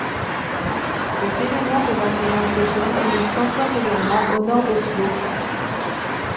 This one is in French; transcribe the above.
Des éléments de l’armée norvégienne résistent encore aux Allemands au nord d’Oslo.